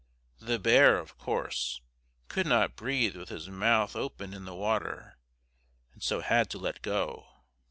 The bear, of course, could not breathe with his mouth open in the water, and so had to let go.